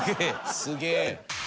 すげえ！